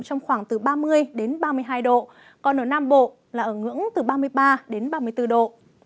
trong khoảng từ ba mươi đến ba mươi hai độ còn ở nam bộ là ở ngưỡng từ ba mươi ba đến ba mươi bốn độ